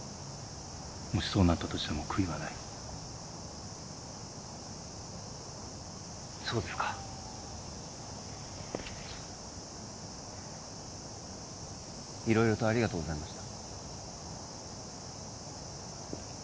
もしそうなったとしても悔いはないそうですか色々とありがとうございました